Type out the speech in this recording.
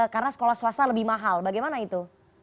karena sekolah swasta lebih mahal bagaimana itu